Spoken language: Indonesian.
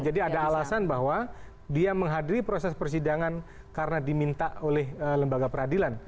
ada alasan bahwa dia menghadiri proses persidangan karena diminta oleh lembaga peradilan